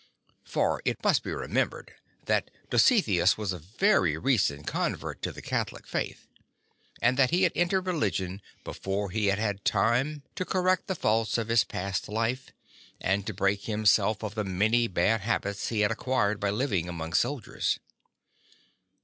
For it must be remembered that Dositheus w'as a very recent convert to the Catholic Faith, and that he had entered religion before he had had time to correct the faults of his past life, and to break himself of the many bad habits he had acquired by living among soldiers.